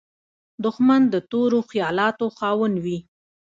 دښمن د تورو خیالاتو خاوند وي